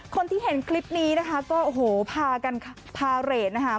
คนที่เห็นคลิปนี้นะคะก็โอ้โหพากันพาเรทนะคะ